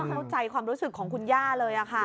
เข้าใจความรู้สึกของคุณย่าเลยค่ะ